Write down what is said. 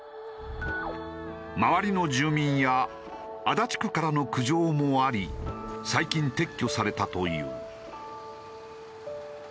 周りの住民や足立区からの苦情もあり最近撤去されたという。